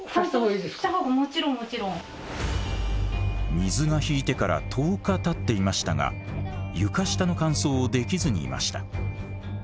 水が引いてから１０日たっていましたが床下の乾燥をできずにいました。